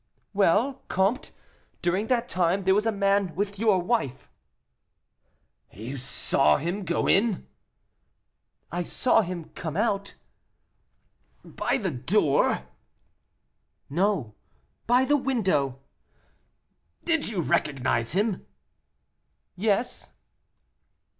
"Well, comte, during that time there was a man with your wife." "You saw him go in?" "I saw him come out." "By the door?" "No, by the window." "Did you recognize him?" "Yes."